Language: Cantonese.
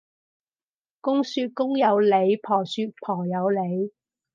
公說公有理，婆說婆有理